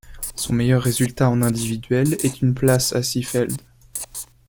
Son meilleur résultat en individuel est une place à Seefeld.